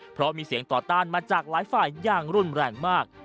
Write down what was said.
เพราะมีเสียงต่อต้านมาจากหลายฝ่ายอย่างรุนแรงมาก